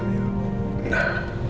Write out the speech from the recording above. naturenya juga nggakcohtan